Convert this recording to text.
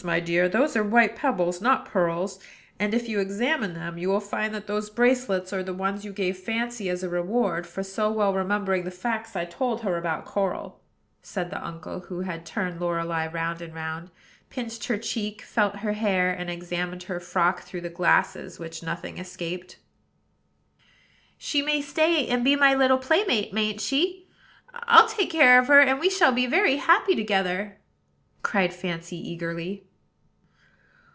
my dear: those are white pebbles, not pearls; and, if you examine them, you will find that those bracelets are the ones you gave Fancy as a reward for so well remembering the facts I told her about coral," said the uncle, who had turned Lorelei round and round, pinched her cheek, felt her hair, and examined her frock through the glasses which nothing escaped. "She may stay, and be my little playmate, mayn't she? I'll take care of her; and we shall be very happy together," cried Fancy eagerly.